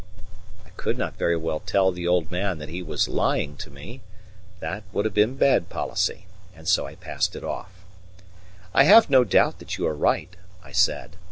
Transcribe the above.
I could not very well tell the old man that he was lying to me that would have been bad policy and so I passed it off. "I have no doubt that you are right," I said.